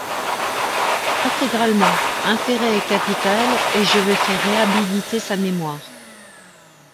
Intégralement, intérêts et capital, et je vais faire réhabiliter sa mémoire.